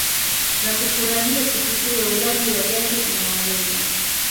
na kufurahia sikukuu ya ulaji wa jadi anayeweza